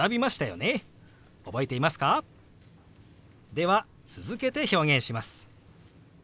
では続けて表現します。